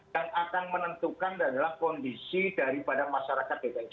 yang akan menentukan adalah kondisi daripada masyarakat dki